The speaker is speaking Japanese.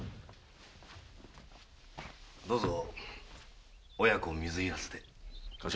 どうぞ親子水入らずで。